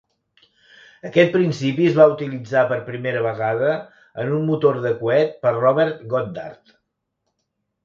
Aquest principi es va utilitzar per primera vegada en un motor de coet per Robert Goddard.